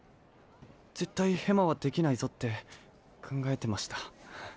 ぜったいヘマはできないぞってかんがえてました。